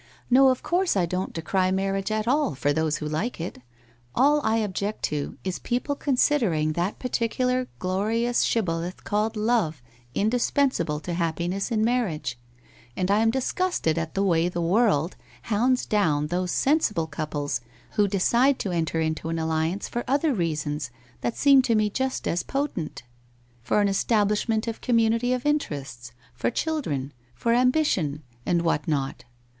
' No, of course I don't decry marriage at all for those who like it. All I object to is people considering that particular glorious shibboleth called love indispensable to happiness in marriage, and I am disgusted at the way the world hounds down those sensible couples who decide to enter into an alliance for other reasons that seem to me just as potent — for an establishment of community of interests, for children, for ambition, and what not.